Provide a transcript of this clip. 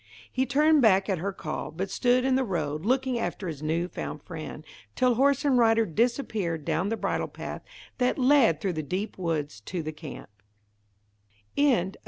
He turned back at her call, but stood in the road, looking after his new found friend, till horse and rider disappeared down the bridle path that led through the deep woods to the other camp.